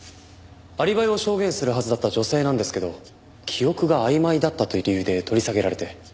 アリバイを証言するはずだった女性なんですけど記憶があいまいだったという理由で取り下げられて。